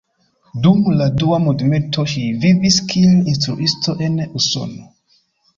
Dum la Dua Mondmilito ŝi vivis kiel instruisto en Usono.